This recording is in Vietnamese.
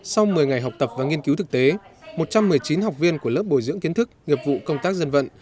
sau một mươi ngày học tập và nghiên cứu thực tế một trăm một mươi chín học viên của lớp bồi dưỡng kiến thức nghiệp vụ công tác dân vận